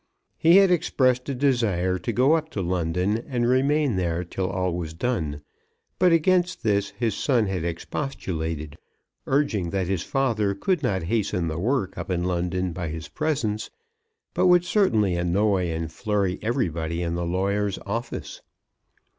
He had expressed a desire to go up to London and remain there till all was done; but against this his son had expostulated, urging that his father could not hasten the work up in London by his presence, but would certainly annoy and flurry everybody in the lawyer's office.